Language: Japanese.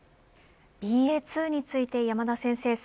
ＢＡ．２について山田先生